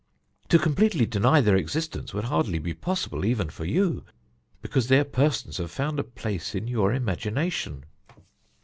To completely deny their existence would hardly be possible even for you, because their persons have found a place in your imagination.